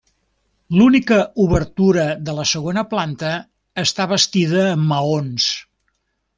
L'única obertura de la segona planta està bastida amb maons.